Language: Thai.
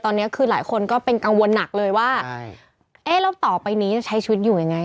ตอนนี้คือหลายคนก็เป็นกังวลหนักเลยว่าเอ๊ะแล้วต่อไปนี้จะใช้ชีวิตอยู่ยังไง